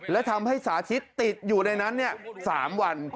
และทำให้สาธิตติดอยู่ในนั้น๓วัน